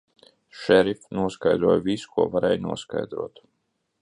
Šerif, noskaidroju visu, ko varēja noskaidrot.